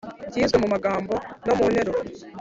byizwe mu magambo no mu nteruro